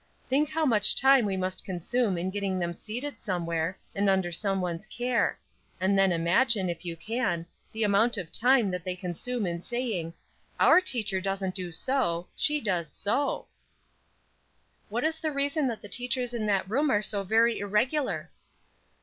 Think how much time we must consume in getting them seated somewhere, and under some one's care; and then imagine, if you can, the amount of time that they consume in saying, 'Our teacher doesn't do so, she does so.'" "What is the reason that the teachers in that room are so very irregular?"